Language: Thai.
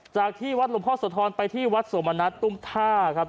จากที่วัดหลวงพ่อโสธรไปที่วัดสมณัฐตุ้มท่าครับ